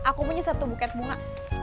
aku punya satu buket bunga